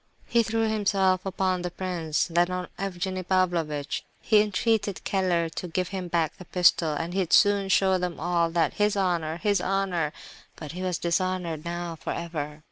He threw himself upon the prince, then on Evgenie Pavlovitch. He entreated Keller to give him back the pistol, and he'd soon show them all that "his honour—his honour,"—but he was "dishonoured, now, for ever!"